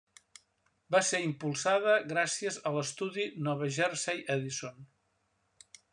Va ser impulsada gràcies a l'estudi Nova Jersey Edison.